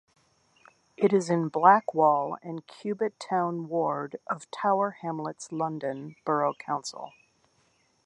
It is in Blackwall and Cubitt Town Ward of Tower Hamlets London Borough Council.